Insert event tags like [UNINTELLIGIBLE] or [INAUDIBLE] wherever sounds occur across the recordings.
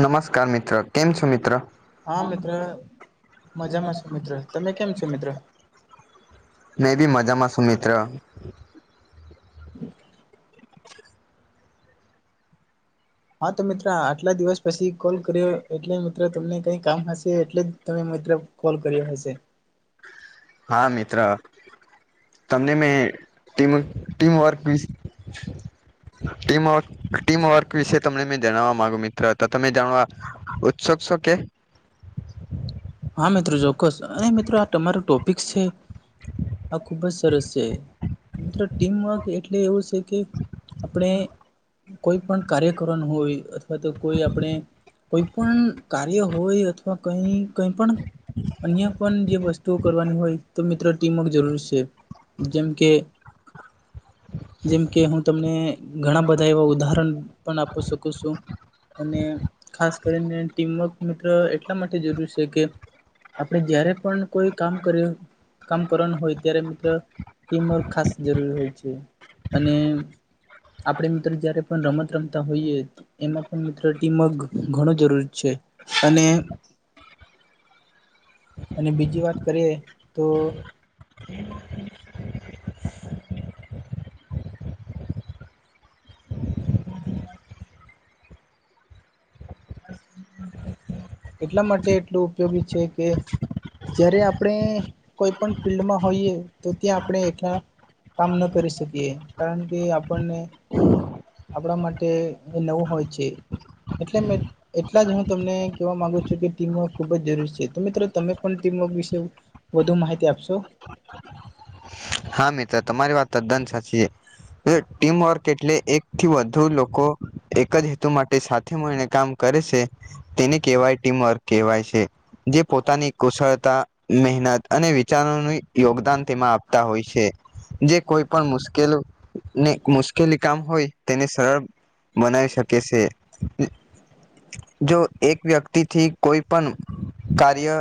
નમસ્કાર મિત્ર, કેમ છો મિત્ર? હા મિત્ર મજામાં છું મિત્ર તમે કેમ છો મિત્ર [UNINTELLIGIBLE] મેં બી મજામાં છું મિત્ર. હા, તો મિત્ર આટલા દિવસ પછી કોલ કર્યો, એટલે મિત્ર તમને કઈ કામ હશે, એટલે જ તમે મિત્ર કોલ કર્યો હશે. હા મિત્ર! તમને મેં ટીમ, ટીમ વર્ક વી ટીમવક, ટીમવર્ક વિશે તમને મે જણાવવા માંગુ મિત્ર. તો તમે જાણવા ઉત્સુક છો કે? હા મિત્ર ચોક્કસ, અને મિત્ર આ તમારો ટોપિક છે આ ખુબ જ સરસ છે. મિત્ર ટીમવર્ક એટલે એવું સે કે, આપણે કોઈ પણ કાર્ય કરવાનું હોય અથ થવા તો કોઈ આપણે, કોઈ પણ કાર્ય હોય અથવા કઈ કંઈ પણ, અન્ય પણ જે વસ્ત તુ કરવાની હોય, તો મિત્ર ટીમ જરૂર શે, જેમ કે જેમ કે, હું તમને ઘણા બધા એવા ઉદાહરણ પણ આપી શકું શું. અને ખાસ કરીને ટીમવર્ક મિત્ર એટલા માટે જરૂરી છે કે આપડે જયારે પણ કોઈ કામ કર્યું કામ કરવાનું હોય ત્યારે મિત્ર ટીમ વર્ક ખાસ જરૂરી હોય છે. અને આપડે મિત્ર જયારે પણ રમત રમતા હોઈએ એમાં પણ મિત્રો ટીમવર્ક ઘણું જરૂરી છે અને અને બીજી વાત કરીએ તો એટલા માટે એટલું ઉપયોગી છે કે જયારે આપણે કોઈ પણ ફિલ્ડમાં હોઈએ તો ત્યાં આપણે એકલા કામ ન કરી શકીએ કારણ કે આપણને આપડા માટે એ નવું હોય છે. એટલે મેં એટલા જ હું તમને કહેવા માંગુ છું કે ટીમવર્ક ખુબ જ જરૂરી છે. તો મિત્રો તમે પણ ટીમવર્ક વિશે વધુ માહિતી આપશો? હા મિત્ર તમારી વાત તદ્દન સાચી છે. અહ ટીમવર્ક એટલે એક થી વધુ લોકો એક જ હેતુ માટે સાથે મળીને કામ કરે છે. તેને કહેવાય ટીમવર્ક કહેવાય છે. જે પોતાની કુશળતા, મહેનત અને વિચારોનું યોગદાન તેમાં આપ- તા હોય છે. જે કોઈ પણ મુશ્કેલ ને મુશ્કેલી કામ હોય તેને સરળ બનાવી શકે છે. જો એક વ્યક્તિથી કોઈ પણ કાર્ય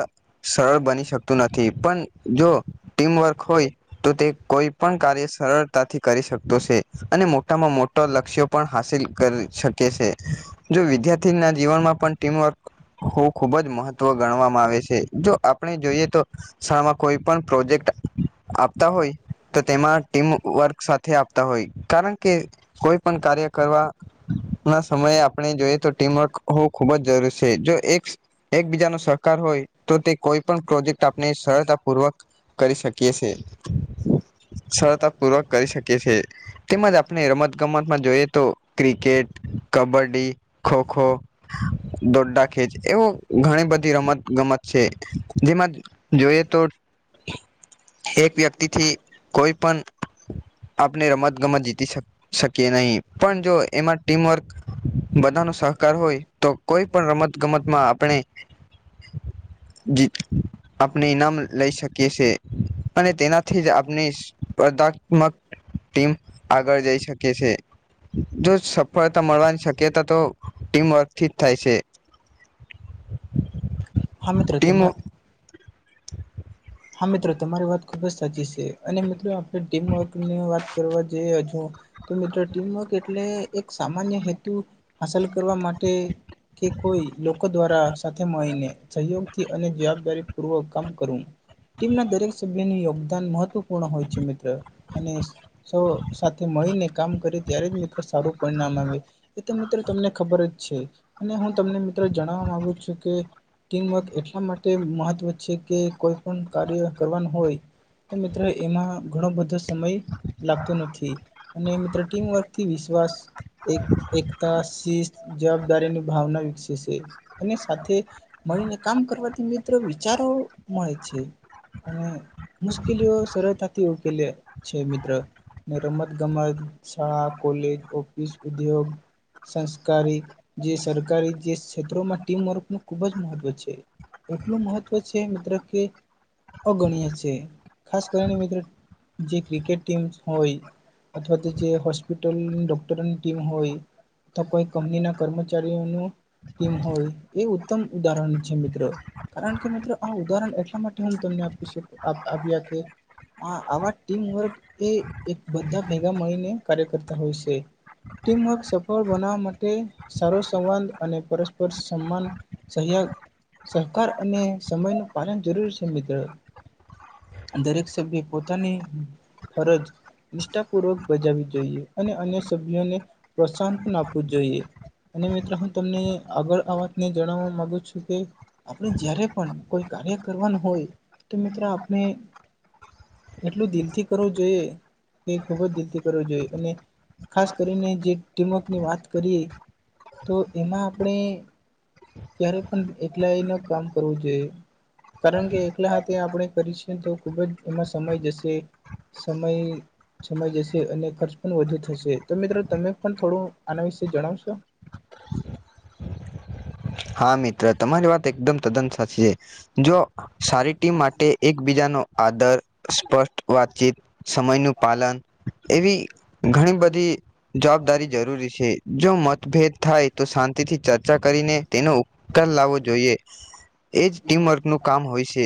સરળ બની શક તો નથી પણ જો ટીમવર્ક હોય તો તે કોઈ પણ કાર્ય સરળતાથી કરી શકતો છે. અને મોટામાં મોટા લક્ષ્યો પા હાંસિલ કરી શકે છે. જો વિદ્યાર્થીના જીવનમાં પણ ટીમવર્ક ખુ-ખુબ જ મહત્વ ગણવામાં આવે છે. જો આપણે જોઈએ તો શાળામાં કોઈ પણ પ્રોજેક્ટ આપતા હોય તો તેમાં ટીમ વર્ક સાથે આપતા હોય કારણ કે કોઈ પણ કાર્ય કરવા ના સમયે આપણે જોઈએ તો ટીમવર્ક હો ખુબ જ જરૂરી છે. જો એક એકબીજાનો સહકાર હોય તો તે કોઈ પણ પ્રોજેક્ટ આપણે સરળતા પૂર્વક કરી શકીએ છે. હમ! સરળતા પૂર્વક કરી શકે છે. તેમજ આપણે રમત ગમતમાં જોઈએ તો ક્રિકેટ, કબડ્ડી, ખો ખો દોડા ખેંચ એવો ઘણી બધી રમત ગમત છે. જેમાં જોઈએ તો એક વ્યક્તિથી કોઈ પણ આપણે રમત ગમત જીતી શક શકીએ નહી. પણ જો એમાં ટીમવર્ક બધા નો સહકાર હોય તો કોઈ પણ રમત ગમતમાં આપણે જી આપને ઇનામ લઈ શકીએ છે. અને તેનાથી જ આપને સ્પર્ધાત્મક ટીમ આગળ જઈ શકે છે. જો સફળતા મળવાની શક્યતા તો ટીમવર્ક થી જ થાય છે. હા મિત્ર, ટીમ તમાં હા મિત્ર તમારી વાત ખૂબ જ સાચી છે. અને મિત્રો આપણે ટીમવર્ક ની વાત કરવા જેઈએ હજુ તો મિત્રો ટીમવર્ક એટલે એક સામાન્ય હેતુ હાસલ કરવા માટે કે કોઈ લોકો દ્વારા સાથે મળીને સહયોગ થી અને જવાબદારી પૂર્વક કામ કરું ટીમના દરેક સભ્યની યોગદાન મહત્વપૂર્ણ હોય છે મિત્ર અને સૌ સાથે મળીને કામ કરે ત્યારે જ મિત્રો સારું પરિણામ આવે. એ તો મિત્રો તમને ખબર જ છે અને હું તમને મિત્ર જણવા માગુ છું કે ટીમવર્ક એટલા માટે મહત્ત્વ છે, કે કો કાર્ય કરવાનું હોય તો મિત્રો એમાં ઘણો બધો સમય લાગતો નથી અને મિત્ર ટીમ વર્કથી વિશ્વાસ એક એકતા શી જવાબદારીની ભાવના વિકસે છે, અને સાથે મળીને કામ કરવાથી મિત્ર વિચારો મળે છે, અને મુશ્કેલીઓ સરળતાથી ઉકેલી છે, મિત્ર ને રમત ગમત શાળા કોલેજ ઓફિસ ઉદ્યોગ સંસ્કારી જે સરકારી જે ક્ષેત્રોમાં ટીમવર્ક ખૂબ જ મહત્વ છે. એટલું મહત્વ છે, મિત્ર કે અગણ્ય છે, ખાસ કરીને મિત્રો જે ક્રિકેટ ટીમ હોય અથવા તો જે હોસ્પિટલ ડોક્ટરની ટીમ હોય ત કોઈ કંપનીના કર્મચારીઓનું તીમ હોય એ ઉત્તમ ઉદાહરણ છે, મિત્રો કારણ કે મિત્રો આ ઉદાહરણ એટલા મા હું તમને આપીશું આબ આબીયા કે આ આવા ટીમ વર્ક એ એક બધા ભેગા મળીને કાર્ય કરતા હોય છે. ટીમવર્ક સફળ બનાવવા માટે સારો સંવાદ અને પરસ્પર સન્માન સહયાગ સહકાર અને સમયનુ પાલન જરૂરી છે, મિત્ર દરેક સભ્ય પોતાની ફરજ નિષ્ઠાપૂર્વક બજાવવી જોઈએ અને અન્ય સભ્યોને પ્રોત્સાહન પણ આપવું જોઈએ અને મિત્ર હું તમને આગળ આ વાતને જણાવવા માગુ છું કે આપણે જ્યારે પણ કોઈ કાર્ય કરવાનું હોય તો મિત્રો આપણે એટલું દિલથી કરવું જોઈએ એ ખૂબ જ દિલથી કરવું જોઈએ અને ખાસ કરીને જે ટીમવર્કની વાત કરીએ તો એમાં આપણે ક્યારે પણ એકલાયૂ ન કામ કરવું જોએ કારણ કે એકલા હાથે આપણે કરી છીએ તો ખૂબ જ એમાં સમય જશે સમય સમય જશે અને ખર્ચ પણ વધુ થશે તો મિત્રો તમે પણ થોડું આના વિશે જણાવશો હા મિત્ર તમારી વાત એકદમ તદ્દન સાચી છે. જો સારી ટીમ માટે એકબીજાનો આદર સ્પષ્ટ વાતચીત સમયનું પાલન એવી ઘણી બધી જવાબદારી જરૂરી છે, જો મતભેદ થાય તો શાંતિ થી ચર્ચા કરીને તેનો ઉપકાર લાવવો જોઈએ એજ ટીમવર્ક નું કામ હોય છે,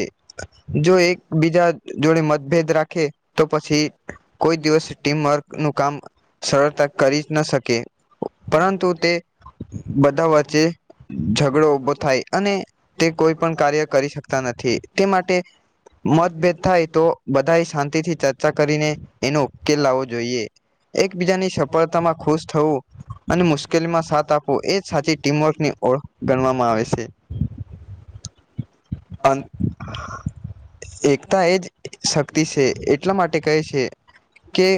જો એક બીજા જોડે મતભેદ રાખે તો પછી કોઈ દિવસ ટીમવર્ક નું કામ સરળતા કરી જ ન શકે પરંતુ તે બધા વચ્ચે ઝઘડો ઉભો થાય અને તે કોઈ પણ કાર્ય કરી શકતા નથી તે માટે મતભેદ થાય તો બધાએ શાંતિથી ચર્ચા કરીને એનો ઉકેલ લાવવો જોઈએ એકબીજાની સફળતામાં ખુશ થવું અને મુશ્કેલીમાં સાથ આપવો એ સાચી ટીમવર્કની ઓળખ ગણવામાં આવે છે, અં એકતા એ જ શક્તિ છે, એટલા માટે કહે છે, કે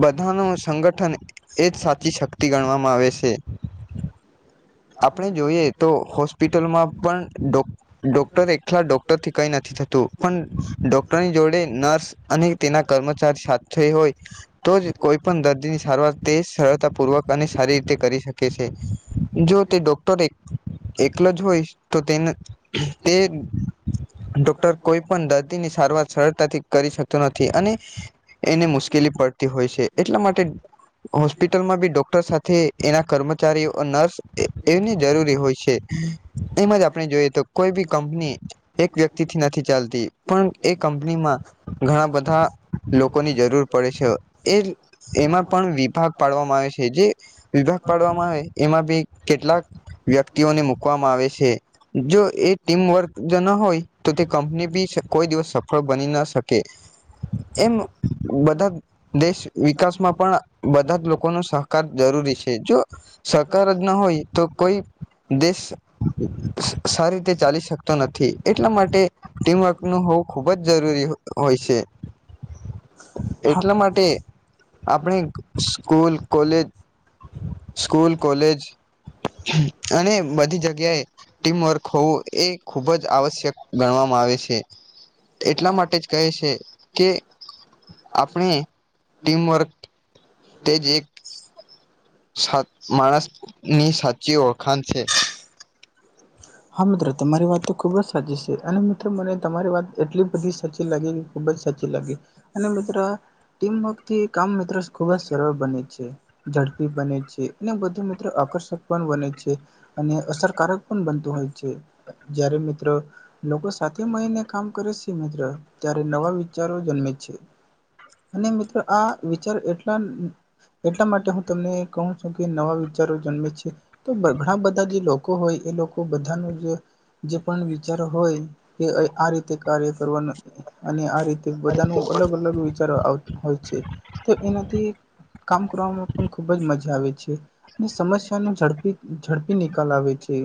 બધા નો સંગઠન એ જ સાચી શક્તિ ગણવામાં આવે છે. આપણે જોઈએ તો હોસ્પિટલમાં પણ ડો ડોક્ટર એકલા ડો ટર થી કઈ નથી થતું પણ ડોક્ટરની જોડે નર્સ અને તેના કર્મચારી સાથે હોય તો જ કોઈ પણ દર્દીની સારવાર તે સરળતા પૂર્વક અને સારી રીતે કરી શકે છે. જો તે ડોક્ટર એ એકલ જ હોય તો તેન તે ડોક્ટર કોઈ પન દર્દીની સારવાર સરળતાથી કરી શકતો નથી અને એને મુશ્કેલી પડતી હોય છે, એટલા માટે હોસ્પિટલમાં બી ડોક્ટર સાથે એના કર્મચારીઓ નર્સ એ એની જરૂરી હોય છે, એમ જ આપણે જોઈએ તો કોઈ બી કંપની એક વ્યક્તિથી નથી ચાલતી પણ એ કંપનીમાં. ઘણા બધા લોકોની જરૂર પડે છે. એ એમાં પણ વિભાગ પાડવામાં આવે છે જે વિભાગ પાડવામાં આવે એમાં બી. કેટલાક વ્યક્તિઓને મૂકવામાં આવે છે. જો એ ટીમવર્ક જો ના હોય તો તે કંપની બી કોઈ દિવસ સફળ બની ના શકે. એમ બધા. દેશ વિકાસમાં પણ બધા જ લોકો ન સહકાર જરૂરી છે જો સહકાર જ. ન તો કોઈ દેશ. [UNINTELLIGIBLE] સાઅંરી રીતે ચાલી શકતો નથી એટલા માટે. ટીમવર્કનું હોવું ખૂબ જ જરૂરી હોય છે. એટલા માટે આપણે. School college school college. અને બધી જગ્યાએ. ટીમવર્ક હોવું એ ખૂબ જ આવશ્યક ગણવામાં આવે છે. એટલા માટે જ કહે છે કે. આપણે ટીમવર્ક તેજ એક. [UNINTELLIGIBLE] માણસ ની સાચી ઓળખાણ છે. હા મિત્રો તમારી વાત તો ખૂબ જ સાચી છે અને મિત્રો મને તમારી વાત એટલી બધી સાચી લાગેલી. ખુબ જ સાચી લાગી અને મિત્ર ટીમવર્ક થી કામ મિત્રો ખુબ જ સરળ બને છે. ઝડપી બને છે અને બધું મિત્રો આકર્ષક પણ બને છે અને અસરકારક પણ બ હોય છે જયારે મિત્રો લોકો સાથે મળીને કામ કરે છે મિત્ર ત્યારે નવા વિચારો જન્મે છે. અને મિત્રો આ વિચાર એટલા. એટલા માટે હું તમને કહું છું કે નવા વિચારો જન્મે છે. તો ઘણા બધા જે લોકો હોય એ લોકો. બધા ન જે જે પણ વિચાર હોય કે આ રીતે કાર્ય કરવાનું. અને આ રીતે બધા ન અલગ અલગ વિચારો હોય છે તો એનાથી કામ કરવામાં પણ ખુબ જ મજા આવે છે. સમસ્યા ન ઝડપી ઝડપી નિકાલ આવે છે.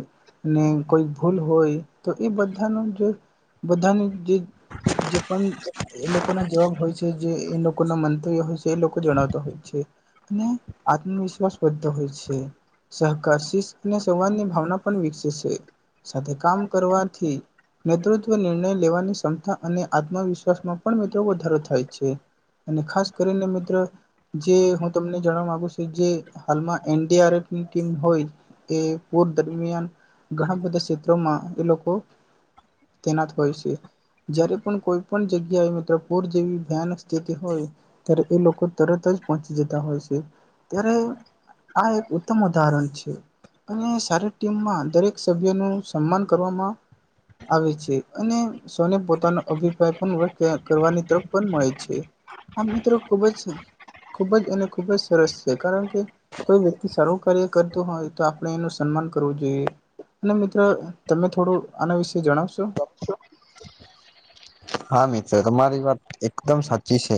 ને કોઈ ભૂલ હોય તો એ બધાનું જે બધાની જે. જે પણ એ લોકો. લોકો ના જવાબ હોય છે જે એ લોકો ના મંતવ્ય હોય છે એ લોકો જણાવતા હોય છે. ને આત્મવિશ્વાસ બદધ હોય છે. સહકાર શિષ અને સંવાદની ભાવના પણ વિકસે છે સાથે કામ કરવાથી. નેતૃત્વ નિર્ણય લેવાની ક્ષમતા અને આત્મવિશ્વાસમાં પણ મધો વધારો થાય છે. અને ખાસ કરીને મિત્ર. જે હું તમને જાણવા માગુ છું જે હાલમાં એનડીઆરફની ટીમ હોય એ પૂર દરમિયાન ઘણા બધા ક્ષેત્રોમાં એ લોકો તેના પછી? જયારે પણ કોઈ પણ જગ્યાએ મિત્ર પુર જેવી ભયાનક સ્થિતિ હોય- - ત્યારે એ લોકો તરત જ પહોંચી જતા હોય છે ત્યારે આ એક ઉત્તમ ઉદાહરણ છે અને સારી ટીમમાં દરેક સભ્યોનું સન્માન કરવામાં આવે છે અને સને પોતાનો અભિપ્રાય પણ કરવાની તરફ પણ મળે છે. આ મિત્રો ખૂબ જ ખૂબ જ અને ખૂબ જ સરસ છે કારણ કે કોઈ વ્યક્તિ સારું કાર્ય કરતો હોય તો આપણે એનું સન્માન કરવું જોઈએ. અને મિત્ર તમે થોડું આના વિશે જણાવશો? શું? હા મિત્ર તમારી વાત એકદમ સાચી છે.